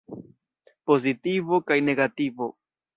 Pozitivo kaj negativo.